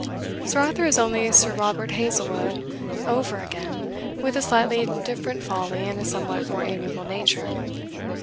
Sir Arthur is only Sir Robert Hazlewood over again, with a slightly different folly and a somewhat more amiable nature.